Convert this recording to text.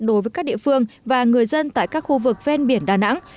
đối với các địa phương và người dân tại các khu vực ven biển đà nẵng